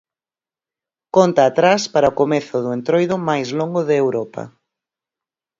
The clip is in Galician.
Conta atrás para o comezo do entroido máis longo de Europa.